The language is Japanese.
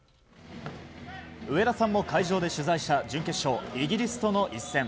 上田さんも会場で取材した準決勝、イギリスとの一戦。